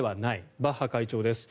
バッハ会長です。